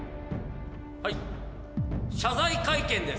はい謝罪会見です